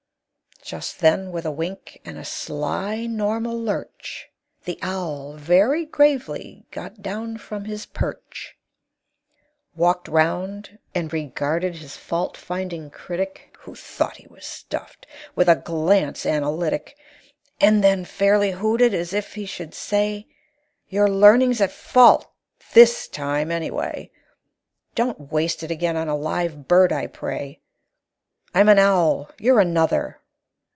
Just then, with a wink and a sly normal lurch, The owl, very gravely, got down from his perch, Walked round, and regarded his fault finding critic (Who thought he was stuffed) with a glance analytic, And then fairly hooted, as if he should say: "Your learning's at fault this time, anyway; Don't waste it again on a live bird, I pray. I'm an owl; you're another.